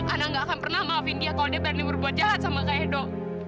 anak gak akan pernah maafin dia kalau dia berani berbuat jahat sama kak edo